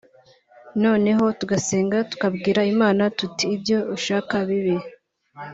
noneho tugasenga tukabwira Imana tuti ibyo ushaka bibe